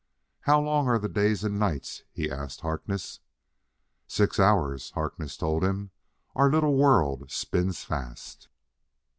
"How long are the days and nights?" he asked Harkness. "Six hours." Harkness told him; "our little world spins fast."